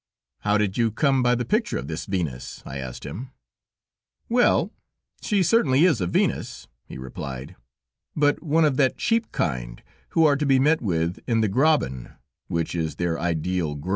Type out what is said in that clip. "How did you come by the picture of this Venus?" I asked him. "Well, she certainly is a Venus," he replied, "but one of that cheap kind who are to be met with in the Graben, which is their ideal grove...."